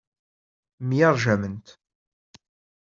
Myerjament.